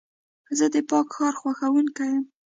زه د پاک ښار غوښتونکی یم.